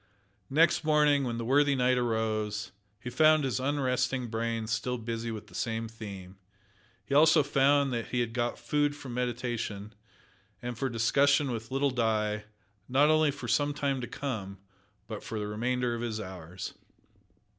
Next morning, when the worthy knight arose, he found his unrested brain still busy with the same theme. He also found that he had got food for meditation, and for discussion with little Di, not only for some time to come, but, for the remainder of his hours.